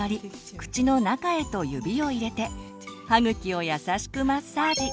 口の中へと指を入れて歯茎を優しくマッサージ。